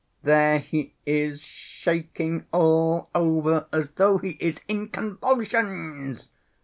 "There he is shaking all over, as though he is in convulsions!"